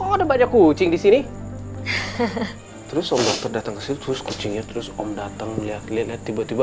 ada banyak kucing disini terus om datang ke situ terus kucingnya terus om datang lihat lihat tiba tiba